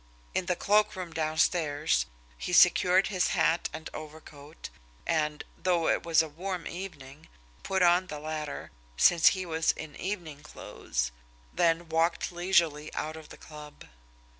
In the cloakroom downstairs he secured his hat and overcoat, and, though it was a warm evening, put on the latter since he was in evening clothes, then walked leisurely out of the club.